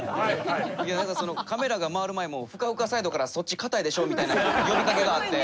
いやだからカメラが回る前もふかふかサイドからそっち硬いでしょ？みたいな呼びかけがあって。